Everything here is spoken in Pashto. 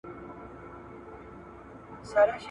بیا ډېوې در څخه غواړم د کیږدۍ د ماښامونو ,